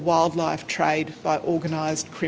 oleh penyelidikan yang terorganisasi